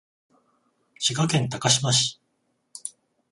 滋賀県高島市